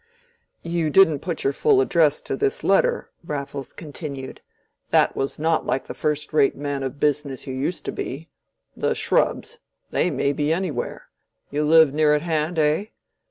"You didn't put your full address to this letter," Raffles continued. "That was not like the first rate man of business you used to be. 'The Shrubs,'—they may be anywhere: you live near at hand, eh?